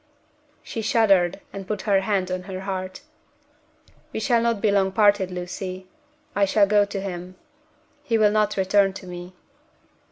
She shuddered, and put her hand on her heart. "We shall not be long parted, Lucy. I shall go to him. He will not return to me."